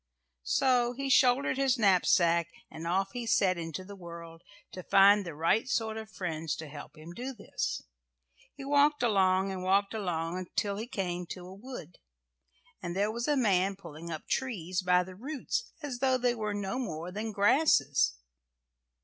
So he shouldered his knapsack and off he set into the world to find the right sort of friends to help him do this. He walked along and walked along till he came to a wood, and there was a man pulling up trees by the roots as though they were no more than grasses.